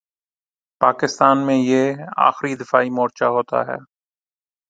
پاکستان میں یہ آخری دفاعی مورچہ ہوتا ہے۔